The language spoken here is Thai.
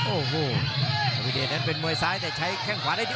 โอ้โหอวิเดชนั้นเป็นมวยซ้ายแต่ใช้แข้งขวาได้ดี